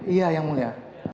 iya yang mulia